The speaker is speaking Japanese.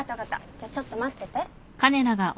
じゃあちょっと待ってて。